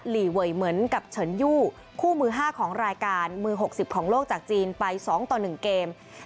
ลีเวยเหมือนกับเฉินยู่คู่มือ๕ของรายการมือ๖๐ของโลกจากจีนไป๒ต่อ๑เกม